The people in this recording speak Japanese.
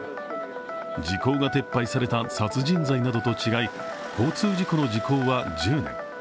時効が撤廃された殺人罪などと違い、交通事故の時効は１０年。